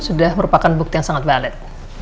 sudah merupakan bukti yang sangat valid